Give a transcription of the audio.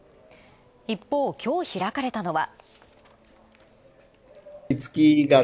一方、きょう開かれたのは。